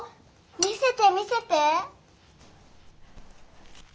見せて見せて。